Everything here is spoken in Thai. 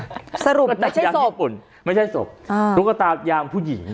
สรุปไม่ใช่ศพตุ๊กกระตายางญี่ปุ่นไม่ใช่ศพอ่าตุ๊กกระตายางผู้หญิง